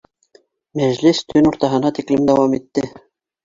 Мәжлес төн уртаһына тиклем дауам итте